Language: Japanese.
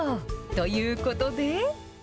ということで。